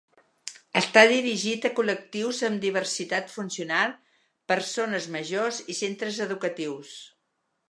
Està dirigit a col·lectius amb diversitat funcional, persones majors i centres educatius.